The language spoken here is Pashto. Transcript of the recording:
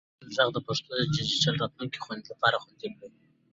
خپل ږغ د پښتو د ډیجیټل راتلونکي لپاره خوندي کړئ.